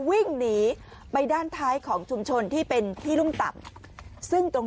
วิ่งหนีไปด้านท้ายของชุมชนที่เป็นที่รุ่มต่ำซึ่งตรง